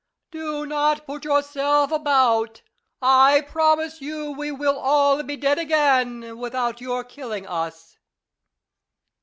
Do not put yourself about. I promise you we will all be dead again without your killing us.